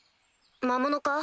魔物か？